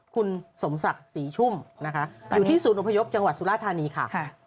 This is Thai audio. คุณสมศักดิ์ศรีชุ่มนะคะอยู่ที่ศูนย์อพยพจังหวัดสุราธานีค่ะ